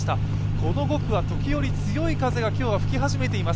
この５区は時折、強い風が今日は吹き始めています。